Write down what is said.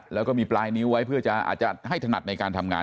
แล้วก็มีปลายนิ้วไว้เพื่อจะอาจจะให้ถนัดในการทำงาน